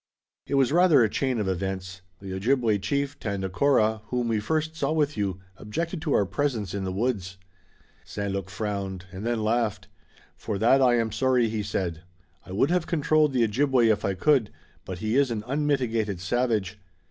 "It was rather a chain of events. The Ojibway chief, Tandakora, whom we first saw with you, objected to our presence in the woods." St. Luc frowned and then laughed. "For that I am sorry," he said. "I would have controlled the Ojibway if I could, but he is an unmitigated savage.